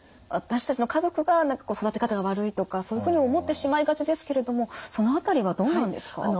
私たちの家族が何かこう育て方が悪いとかそういうふうに思ってしまいがちですけれどもその辺りはどうなんですか？